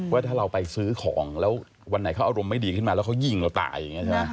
ว่าถ้าเราไปซื้อของแล้ววันไหนเขาอารมณ์ไม่ดีขึ้นมาแล้วเขายิงเราตาย